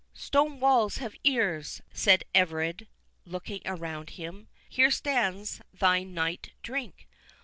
stone walls have ears," said Everard, looking around him. "Here stands thy night drink.